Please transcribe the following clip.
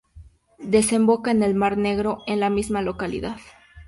Desemboca en el mar Negro en la misma localidad.